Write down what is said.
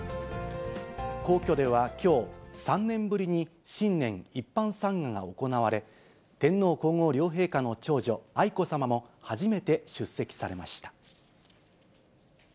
皇居ではきょう、３年ぶりに新年一般参賀が行われ、天皇皇后両陛下の長女、愛子さまも初めて出席されました。